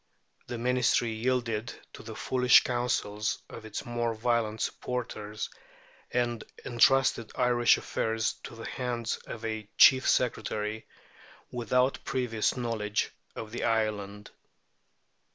The Ministry yielded to the foolish counsels of its more violent supporters, and entrusted Irish affairs to the hands of a Chief Secretary without previous knowledge of the island.